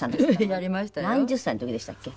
何十歳の時でしたっけ？